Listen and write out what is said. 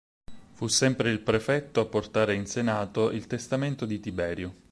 Fu sempre il prefetto a portare in Senato il testamento di Tiberio.